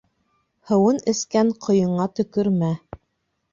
Һыуын эскән ҡойоңа төкөрмә.